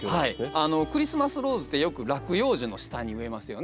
クリスマスローズってよく落葉樹の下に植えますよね。